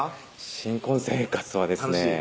新婚生活はですね